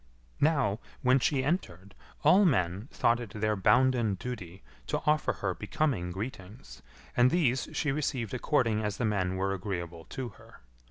Now, when she entered, all men thought it their bounden duty to offer her becoming greetings, and these she received according as the men were agreeable to her.